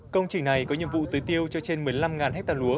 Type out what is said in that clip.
công trình này có nhiệm vụ tưới tiêu cho trên một mươi năm ha lúa